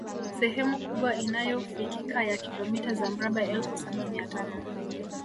Sehemu kubwa inayofikika ya kilomita za mraba elfu saba mia tano